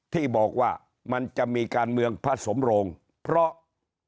ที่บอกว่ามันจะมีการเมืองผสมโรงเพราะ